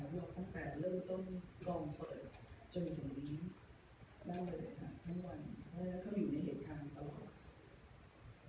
แล้วพี่ยอร์ตต้องแปลงเริ่มต้องกร่องเคลิปจนอยู่แบบนี้นั่นเลยครับทั้งวันแล้วเข้าอยู่ในเหตุการณ์ตลอด